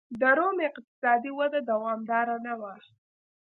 د روم اقتصادي وده دوامداره نه وه.